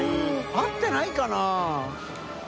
会ってないかな？